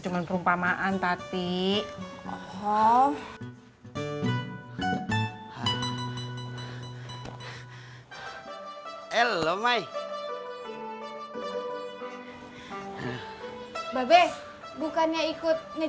berarti mata lu keduduk periksa tuh